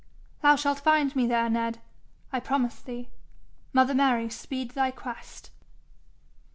'Thou shalt find me there, Ned, I promise thee. Mother Mary speed thy quest?'